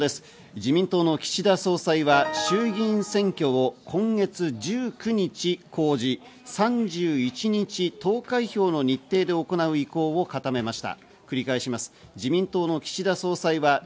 自民党の岸田総裁は衆議院選挙を今月１９日公示、３１日投開票の日程で行う意向を固めました。